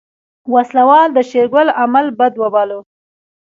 وسله وال د شېرګل عمل بد وباله.